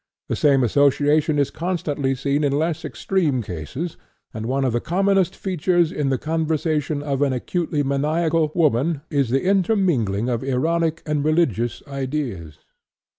The same association is constantly seen in less extreme cases, and one of the commonest features in the conversation of an acutely maniacal woman is the intermingling of erotic and religious ideas."